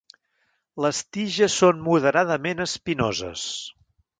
Les tiges són moderadament espinoses.